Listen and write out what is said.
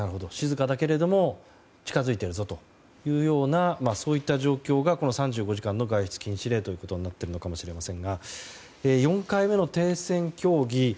静かだけれども近づいているぞというようなそういった状況がこの３５時間の外出禁止令となっているのかもしれませんが４回目の停戦協議